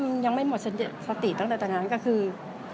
มันยังไม่หมดสติตั้งแต่ตอนนั้นก็คือ